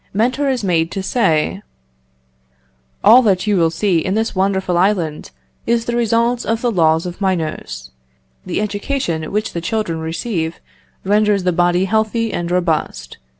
Mentor is made to say: "All that you will see in this wonderful island is the result of the laws of Minos. The education which the children receive renders the body healthy and robust.